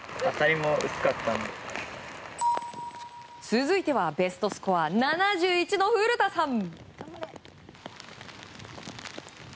続いてはベストスコア７１の古田さん。